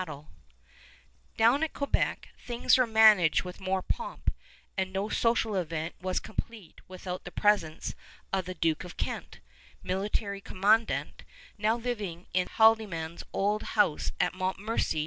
[Illustration: LIEUTENANT GOVERNOR SIMCOE] Down at Quebec things were managed with more pomp, and no social event was complete without the presence of the Duke of Kent, military commandant, now living in Haldimand's old house at Montmorency.